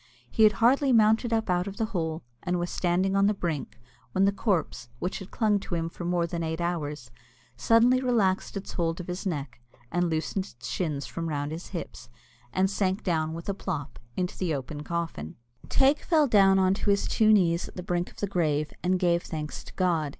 He had hardly mounted up out of the hole, and was standing on the brink, when the corpse, which had clung to him for more than eight hours, suddenly relaxed its hold of his neck, and loosened its shins from round his hips, and sank down with a plop into the open coffin. Teig fell down on his two knees at the brink of the grave, and gave thanks to God.